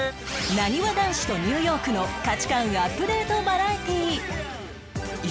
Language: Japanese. なにわ男子とニューヨークの価値観アップデートバラエティー